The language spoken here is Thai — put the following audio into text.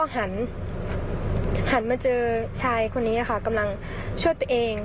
หันมาเจอชายคนกำลังช่วยตัวเอง